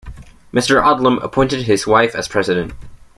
Mr. Odlum appointed his wife as president.